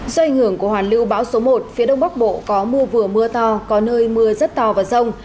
do ảnh hưởng của hoàn lưu bão số một phía đông bắc bộ có mưa vừa mưa to có nơi mưa rất to và rông